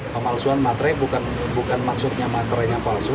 pemalsuan matrai bukan maksudnya matrainya palsu